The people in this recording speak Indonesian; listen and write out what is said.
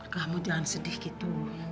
kamu jangan sedih gitu